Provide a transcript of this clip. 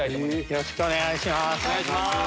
よろしくお願いします。